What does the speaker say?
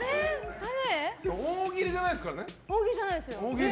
大喜利じゃないですよ。